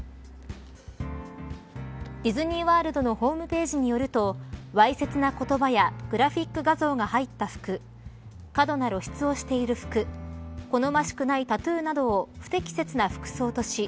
ディズニー・ワールドのホームページによるとわいせつな言葉やグラフィックが画像が入った服過度な露出をしている服好ましくないタトゥーなどを不適切な服装とし